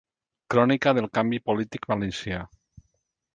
Crònica del canvi polític valencià.